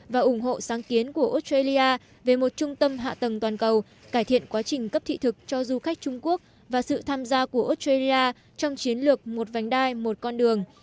và ủng hộ sáng kiến của australia về một trung tâm hạ tầng toàn cầu cải thiện quá trình cấp thị thực cho du khách trung quốc và sự tham gia của australia trong chiến lược một vành đai một con đường